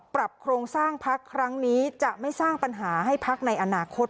โครงสร้างพักครั้งนี้จะไม่สร้างปัญหาให้พักในอนาคต